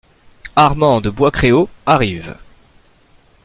Armand de Bois-Créault arrive.